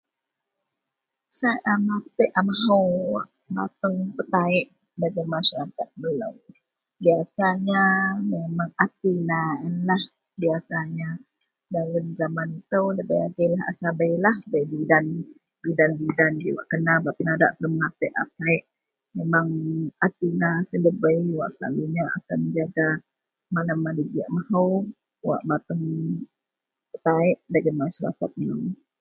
sai matek amahaou wak bateng petaek dagen masyarakat melou biasanya a memang tina ienlah, biasanya, dagen zaman itou dabei ageilah lah a sabeilah bei bidan, bidan-bidan, ji wak kena ji bak penadak telou matek a metaek, memang a tina sien debai selalunya akan jaga mana-mana ji amahou wak bateng metaek dagen masyarakat melou